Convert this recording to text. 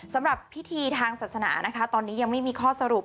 สำหรับพิธีทางศาสนานะคะตอนนี้ยังไม่มีข้อสรุป